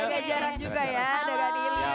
oh jaga jarak juga ya